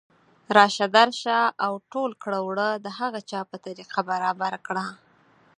راشه درشه او او ټول کړه وړه د هغه چا په طریقه برابر کړه